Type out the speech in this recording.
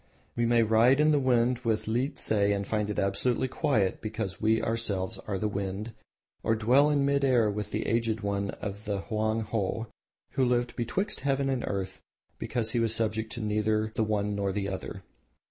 We may ride the wind with Liehtse and find it absolutely quiet because we ourselves are the wind, or dwell in mid air with the Aged one of the Hoang Ho, who lived betwixt Heaven and Earth because he was subject to neither the one nor the other.